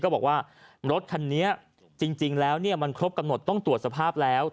บอกว่ารถคันนี้จริงแล้วมันครบกำหนดต้องตรวจสภาพแล้ว